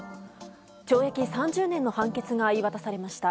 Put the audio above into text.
懲役３０年の判決が言い渡されました。